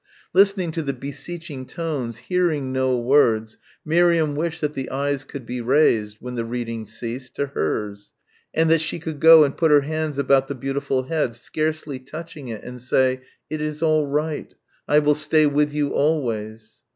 Listening to the beseeching tones, hearing no words, Miriam wished that the eyes could be raised, when the reading ceased, to hers and that she could go and put her hands about the beautiful head, scarcely touching it and say, "It is all right. I will stay with you always."